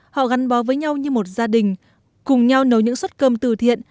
họ gắn bó với nhau như một gia đình cùng nhau nấu những suất cơm từ thiện